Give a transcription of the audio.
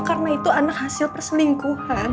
karena itu anak hasil perselingkuhan